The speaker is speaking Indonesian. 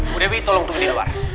bu dewi tolong tunggu di luar